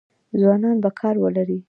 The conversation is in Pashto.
ځوانان به کار ولري؟